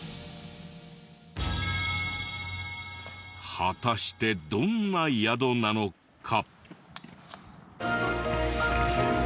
果たしてどんな宿なのか？